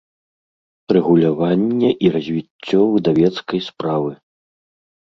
Рэгуляванне i развiццё выдавецкай справы.